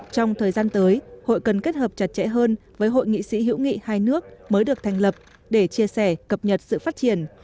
trong thời gian tới hội cần kết hợp chặt chẽ hơn với hội nghị sĩ hữu nghị hai nước mới được thành lập để chia sẻ cập nhật sự phát triển